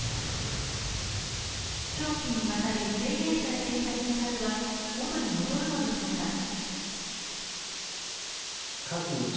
長期にわたり制限されていた生活は元に戻るのでしょうか。